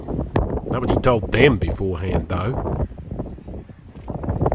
Nobody told THEM beforehand, though!